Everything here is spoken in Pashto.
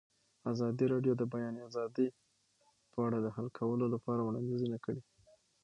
ازادي راډیو د د بیان آزادي په اړه د حل کولو لپاره وړاندیزونه کړي.